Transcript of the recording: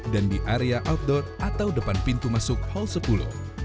dan di area outdoor atau depan pintu masuk hall sepuluh